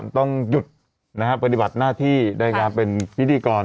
ต้องหยุดนะฮะปฏิบัติหน้าที่ได้งานเป็นพิธีกร